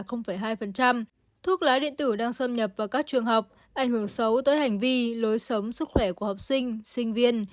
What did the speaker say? thuốc lá điện tử đang xâm nhập vào các trường học ảnh hưởng xấu tới hành vi lối sống sức khỏe của học sinh sinh viên